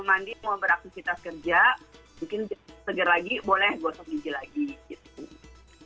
mandi mau beraktifitas kerja mungkin segar lagi boleh gosok gigi lagi